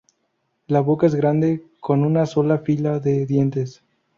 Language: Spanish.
La boca es grande, con una sola fila de dientes.